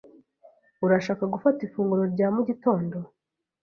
Urashaka gufata ifunguro rya mu gitondo?